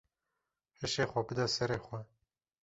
Hişê xwe bide serê xwe.